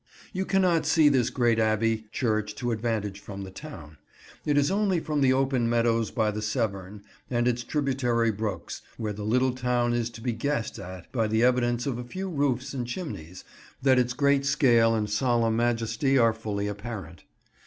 You cannot see this great Abbey church to advantage from the town. It is only from the open meadows by the Severn, and its tributary brooks, where the little town is to be guessed at by the evidence of a few roofs and chimneys, that its great scale and solemn majesty are fully apparent.